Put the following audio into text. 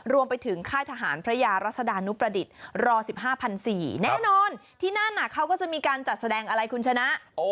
รวมไปถึงค่ายทหารพระยารัศดานุประดิษฐ์รอ๑๕๔๐๐แน่นอนที่นั่นเขาก็จะมีการจัดแสดงอะไรคุณชนะ